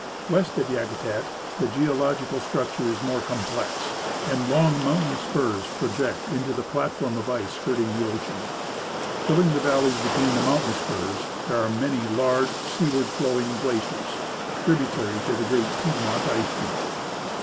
West of Yakutat the geological structure is more complex, and long mountain spurs project into the platform of ice skirting the ocean. Filling the valleys between the mountain spurs, there are many large seaward flowing glaciers, tributary to the great Peidmont ice sheet.